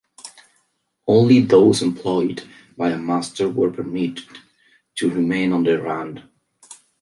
Only those employed by a master were permitted to remain on the Rand.